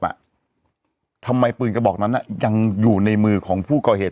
ทำไมปืนกระบอกนั้นยังอยู่ในมือของผู้ก่อเหตุ